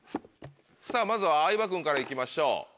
さぁまずは相葉君から行きましょう。